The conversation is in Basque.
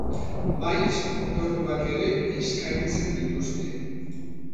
Maiz otorduak ere eskaintzen dituzte.